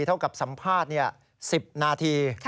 เท่ากับสัมภาษณ์๑๐นาที